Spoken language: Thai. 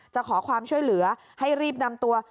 จะขอความช่วยเหลือให้รีบนำตัว